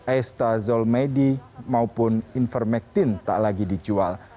eustazol medi maupun informektin tak lagi dijual